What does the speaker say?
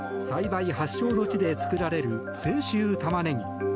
栽培発祥の地で作られる泉州たまねぎ。